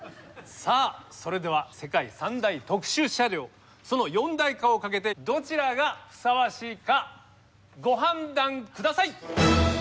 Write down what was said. さあそれでは世界三大特殊車両その四大化をかけてどちらがふさわしいかご判断下さい！